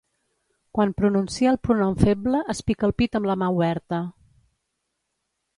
Quan pronuncia el pronom feble es pica el pit amb la mà oberta.